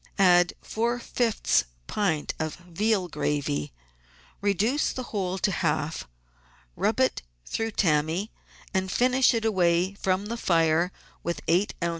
Add four fifths pint of veal gravy, reduce the whole to half, rub it through tammy, and finish it away from the fire with eight oz.